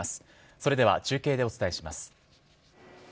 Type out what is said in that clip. それでは中継でお伝えします。